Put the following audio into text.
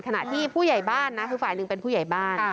ขณะที่ผู้ใหญ่บ้านนะคือฝ่ายหนึ่งเป็นผู้ใหญ่บ้าน